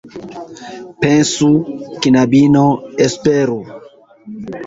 Pensu, knabino, esperu!